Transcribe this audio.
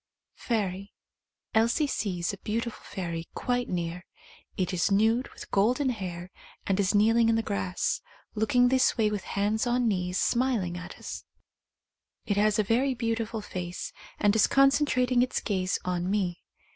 Fairy. Elsie sees a beautiful fairy quite 116 OBSERVATIONS OF A CLAIRVOYANT near; it is nude, with golden hair, and is kneeling in the grass, looking this way with hands on knees, smiling at us. It has a very beautiful face, and is concentrating its gaze on me.